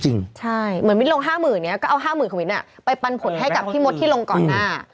เหมือนมิ้นลง๕๐๐๐เนี่ยก็เอา๕๐๐๐ของมิ้นไปปันผลให้กับพี่มดที่ลงก่อนหน้า